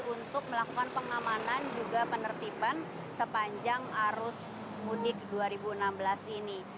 untuk melakukan pengamanan juga penertiban sepanjang arus mudik dua ribu enam belas ini